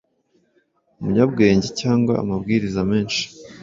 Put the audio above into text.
umunyabwenge, cyangwa amabwiriza menhi